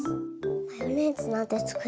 マヨネーズなんてつくれるの？